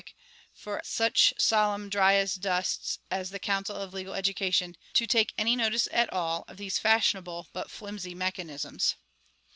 _ for such solemn dry as dusts as the Council of Legal Education to take any notice at all of these fashionable but flimsy mechanisms.